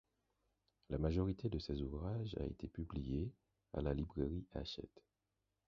La majorité de ses ouvrages a été publiée à la Librairie Hachette.